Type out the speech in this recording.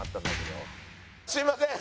すいません。